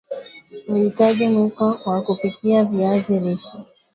Utahitaji mwiko wa kupikia viazi lishe